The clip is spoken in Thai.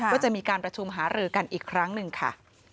ก็จะมีการประชุมหารือกันอีกครั้งหนึ่งค่ะ